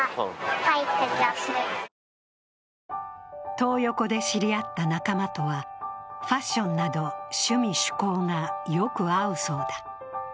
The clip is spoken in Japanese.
トー横で知り合った仲間とは、ファッションなど趣味・趣向がよく合うそうだ。